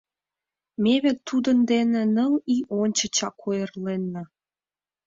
Ме вет тудын дене ныл ий ончычак ойырленна.